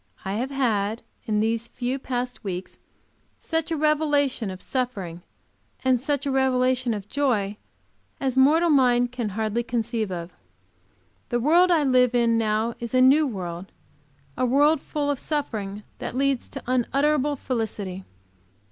I have had in these few past weeks such a revelation of suffering, and such a revelation of joy, as mortal mind can hardly conceive of. The world I live in now is a new world; a world full of suffering that leads to unutterable felicity.